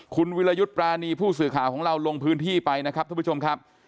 คุณวิรยุทธ์ปรานีผู้สื่อข่าวของเราลงพื้นที่ไปนะครับท่านผู้ชมครับ